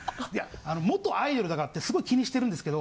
元アイドルだからってすごい気にしてるんですけど。